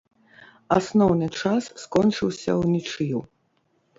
Асноўны час скончыўся ўнічыю.